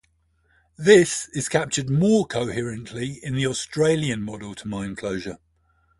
This is captured more coherently in the Australian Model to mine closure.